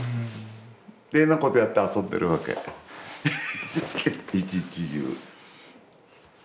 ってなことやって遊んでるわけ一日中。